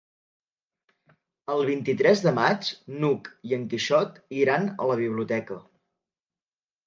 El vint-i-tres de maig n'Hug i en Quixot iran a la biblioteca.